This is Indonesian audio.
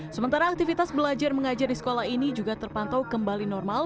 sementara aktivitas belajar mengajar di sekolah ini juga terpantau kembali normal